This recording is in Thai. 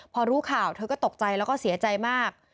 พอรู้ข่าวเธอก็ตกใจแล้วก็เสียใจมาก